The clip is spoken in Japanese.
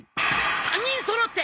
３人そろって。